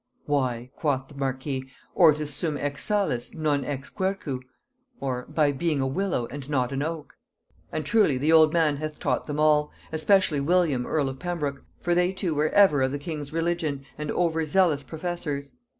'Why,' quoth the marquis, 'ortus sum ex salice, non ex quercu.' (By being a willow and not an oak). And truly the old man hath taught them all, especially William earl of Pembroke, for they two were ever of the king's religion, and over zealous professors.